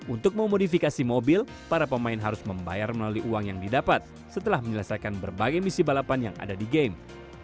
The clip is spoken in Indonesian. untuk memodifikasi mobil para pemain harus membayar melalui uang yang didapat setelah menyelesaikan berbagai misi balapan yang ada di game